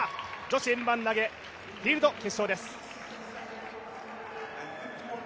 女子円盤投フィールド決勝です。